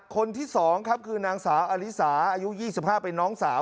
คนที่สองครับคือนางสาวอลิสาอายุยี่สิบห้าเป็นน้องสาว